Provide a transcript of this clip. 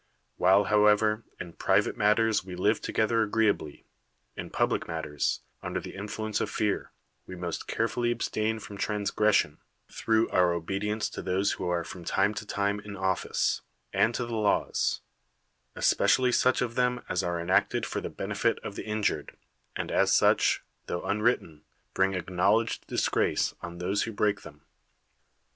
AYhile, however, in private matters we live to gether agreeably, in public matters, under the influence of fear, we most carefully abstain from ti ansgression, through our obedience to those who are from time to time in office, and to the laws; especially such of them as are enacted for the benefit of the injured, and such as, tho un written, bring acknowledged disgrace [on thos(^ who break them ]